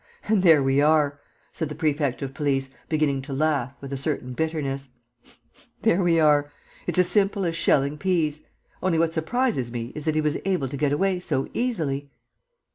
"And there we are!" said the prefect of police, beginning to laugh, with a certain bitterness. "There we are! It's as simple as shelling peas. Only, what surprises me is that he was able to get away so easily."